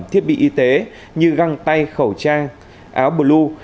thiết bị y tế như găng tay khẩu trang áo blue